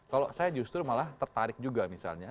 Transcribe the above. kalau saya justru malah tertarik juga misalnya